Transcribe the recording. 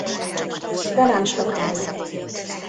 De nem sokáig.